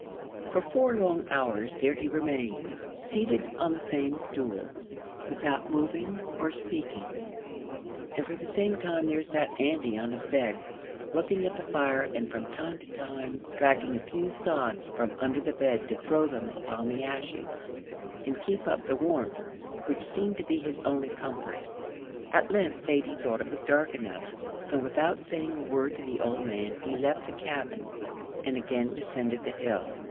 For four long hours there he remained, seated on the same stool, without moving or speaking; and for the same time there sat Andy on his bed, looking at the fire, and from time to time dragging a few sods from under the bed to throw them upon the ashes and keep up the warmth which seemed to be his only comfort. At length Thady thought it was dark enough, and without saying a word to the old man, he left the cabin and again descended the hill.